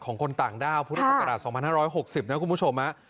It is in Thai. ของคนต่างด้าวพศ๒๕๖๐นะคุณผู้ชม